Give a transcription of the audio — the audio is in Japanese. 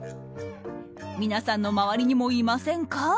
皆さんの周りにもいませんか？